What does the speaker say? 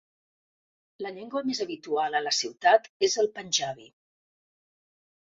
La llengua més habitual a la ciutat és el panjabi.